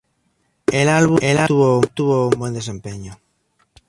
El álbum obtuvo un buen desempeño.